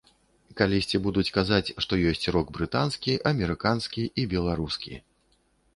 Калісьці будуць казаць, што ёсць рок брытанскі, амерыканскі і беларускі.